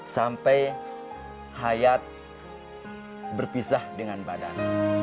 sampai hayat berpisah dengan badan